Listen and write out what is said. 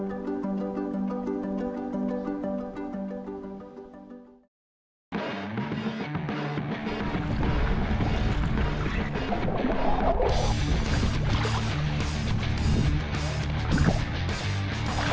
kepala kepala kepala kepala